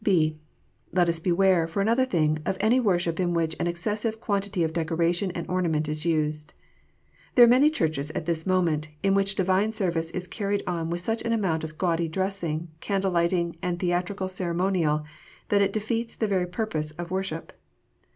(I) Let us beware, for another thing, of any worship in which an excessive quantity of decoration and ornament is used. There are many Churches at this moment, in which Divine service is carried on with such an amount of gaudy dressing, candle lighting, and theatrical ceremonial, that it defeats the very purpose of worship.